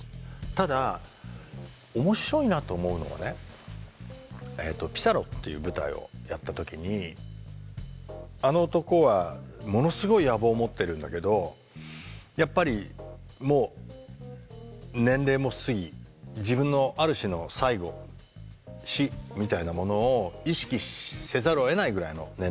ただ面白いなと思うのはね「ピサロ」っていう舞台をやった時にあの男はものすごい野望を持ってるんだけどやっぱりもう年齢も過ぎ自分のある種の最期死みたいなものを意識せざるをえないぐらいの年齢になってるわけ。